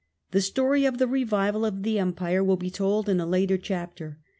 The tion story of the revival of the Empire will be told in a later chapter.